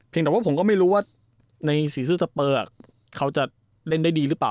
แต่ว่าผมก็ไม่รู้ว่าในสีเสื้อสเปอร์เขาจะเล่นได้ดีหรือเปล่า